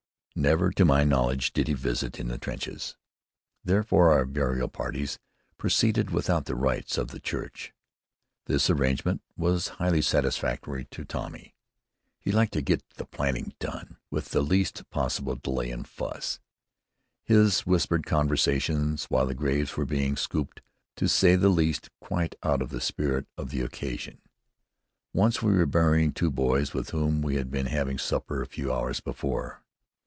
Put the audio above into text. Never, to my knowledge, did he visit us in the trenches. Therefore our burial parties proceeded without the rites of the Church. This arrangement was highly satisfactory to Tommy. He liked to "get the planting done" with the least possible delay or fuss. His whispered conversations while the graves were being scooped were, to say the least, quite out of the spirit of the occasion. Once we were burying two boys with whom we had been having supper a few hours before.